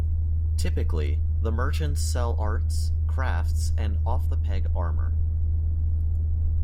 Typically, the merchants sell arts, crafts and off the peg armour.